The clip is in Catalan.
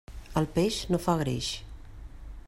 El peix no fa greix.